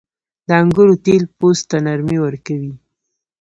• د انګورو تېل پوست ته نرمي ورکوي.